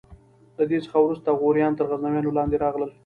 له دې څخه وروسته غوریان تر غزنویانو لاندې راغلل.